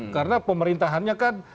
karena pemerintahannya kan